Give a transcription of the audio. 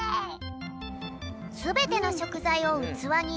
すべてのしょくざいをうつわにいれたら。